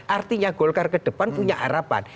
artinya golkar ke depan punya harapan